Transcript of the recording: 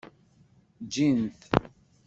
Jjint.